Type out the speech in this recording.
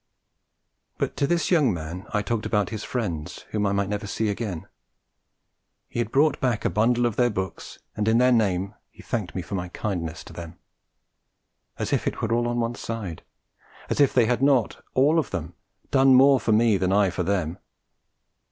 But to this young man I talked about his friends whom I might never see again. He had brought back a bundle of their books, and in their names he thanked me for my 'kindness' to them: as if it were all on one side! As if they had not, all of them, done more for me than I for them!